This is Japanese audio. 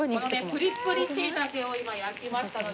プリップリ椎茸を今焼きましたので。